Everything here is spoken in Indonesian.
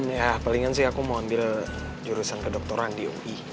ya palingan sih aku mau ambil jurusan kedokteran di ui